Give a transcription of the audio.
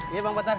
iya bang batar